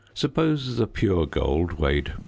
Suppose the pure gold weighed